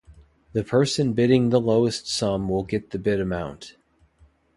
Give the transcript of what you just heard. The person bidding the lowest sum will get the bid amount.